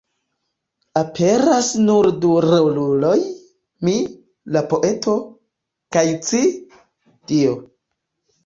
Aperas nur du roluloj: "mi", la poeto; kaj "ci", Dio.